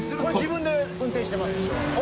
「自分で運転してます」